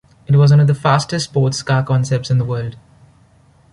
It was one of the fastest sports car concepts in the world.